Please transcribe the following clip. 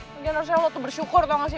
mungkin harusnya lo tuh bersyukur tau gak sih